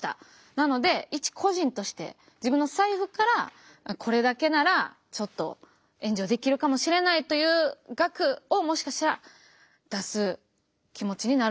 なので一個人として自分の財布からこれだけならちょっと援助できるかもしれないという額をもしかしたら出す気持ちになるのではないかと思います。